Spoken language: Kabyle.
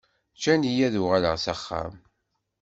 Ǧǧan-iyi ad uɣaleɣ s axxam.